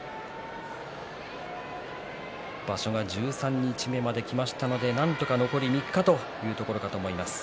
場所も十三日目まできましたのでなんとか残り３日というところだと思います。